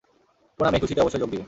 পুনাম এই খুশিতে অবশ্যই যোগ দিবে।